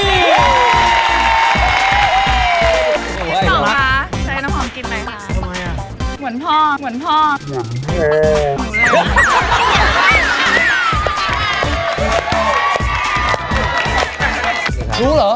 พี่ป๋องคะใส่น้ำหอมกินเลยค่ะ